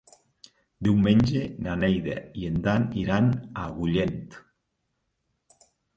Diumenge na Neida i en Dan iran a Agullent.